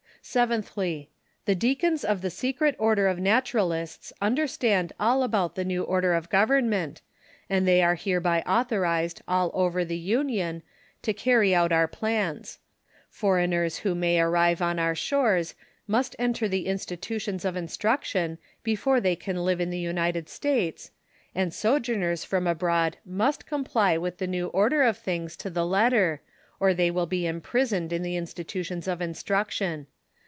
Seventhly— T\\Q deacons of the Secret Order of ISTaturalists understand all about the new order of government, and they are hereby authorized all over the Union to carry out our plans. Foreigners who may arrive on our shores must enter the institutions of instruction before they can live in the United States, and sojourners from abroad must com\AY with the new order of things to the letter, or they will be imprisoned in the institutions of instruction.